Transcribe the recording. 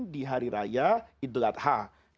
di hari raya idlat ha